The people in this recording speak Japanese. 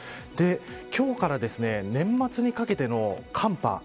今日から年末にかけての寒波